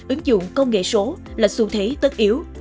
ứng dụng công nghệ số là xu thế tất yếu